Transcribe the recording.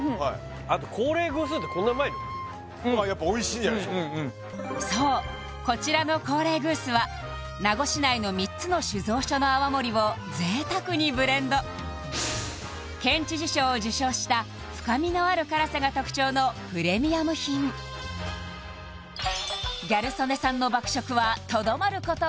あとやっぱおいしいんじゃないでしょうかそうこちらのコーレーグースは名護市内の３つの酒造所の泡盛を贅沢にブレンド県知事賞を受賞した深みのある辛さが特徴のプレミアム品ギャル曽根さんのえっ！